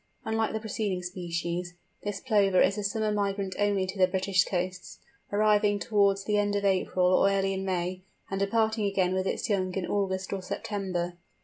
Unlike the preceding species, this Plover is a summer migrant only to the British coasts, arriving towards the end of April or early in May, and departing again with its young in August or September.